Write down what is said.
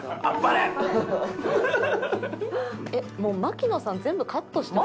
もう槙野さん全部カットして。